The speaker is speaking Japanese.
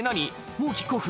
もうキックオフ？